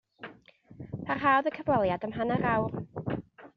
Parhaodd y cyfweliad am hanner awr.